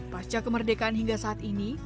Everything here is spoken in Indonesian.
pasca kemerdekaan hingga saat ini